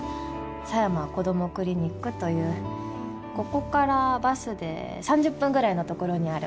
さやま・こどもクリニックというここからバスで３０分ぐらいの所にある。